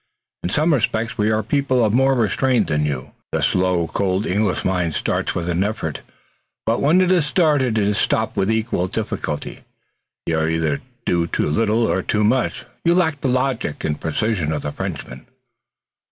In some respects we are a people of more restraint than you are. The slow, cold English mind starts with an effort, but when it is started it is stopped with equal difficulty. You either do too little or too much. You lack the logic and precision of the Frenchman."